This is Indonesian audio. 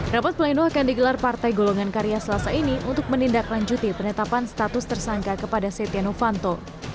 rapat pleno akan digelar partai golongan karya selasa ini untuk menindaklanjuti penetapan status tersangka kepada setia novanto